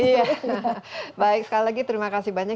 iya baik sekali lagi terima kasih banyak